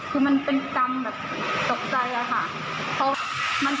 คือมันเป็นกรรมแบบ